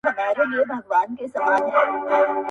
کوم څراغ چي روښنایي له پردو راوړي-